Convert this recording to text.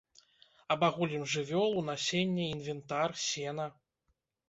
Абагулім жывёлу, насенне, інвентар, сена.